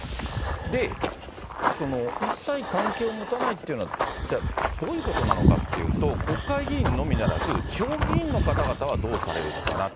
で、一切関係を持たないというのは、じゃあ、どういうことなのかというと、国会議員のみならず、地方議員の方々はどうされるのかな。